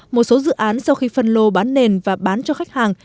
một số dự án sau khi phân lô bán nền và bán cho khách hàng